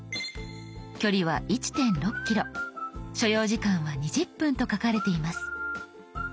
距離は１．６ｋｍ所要時間は２０分と書かれています。